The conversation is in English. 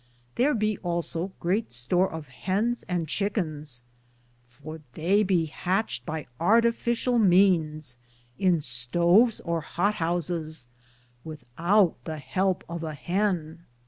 Thar be also great store of henes and chickins, for they be hatchte by artificiall meanes, in stoves or hote housis, without the helpe of a hen.